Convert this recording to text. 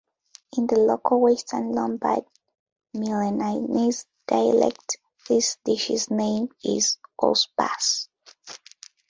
In the local Western Lombard Milanese dialect, this dish's name is "oss bus".